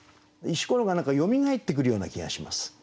「石ころ」がよみがえってくるような気がします。